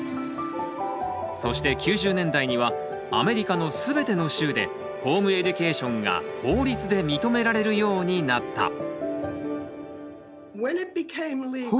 そして９０年代にはアメリカの全ての州でホームエデュケーションが法律で認められるようになった。